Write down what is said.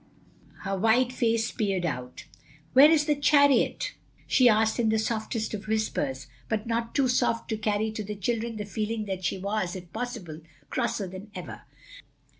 Her white face peered out. "Where is the chariot?" she asked in the softest of whispers, but not too soft to carry to the children the feeling that she was, if possible, crosser than ever.